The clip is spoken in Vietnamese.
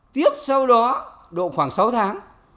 tiếp sau đó độ khoảng sáu tháng